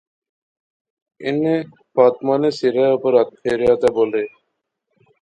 انیں فاطمہ نے سرے اوپر ہتھ پھیریا تہ بولے